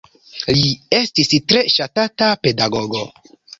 Li estis tre ŝatata pedagogo.